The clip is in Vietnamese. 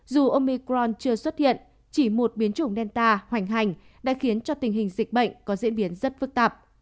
dù ôngi cron chưa xuất hiện chỉ một biến chủng delta hoành hành đã khiến cho tình hình dịch bệnh có diễn biến rất phức tạp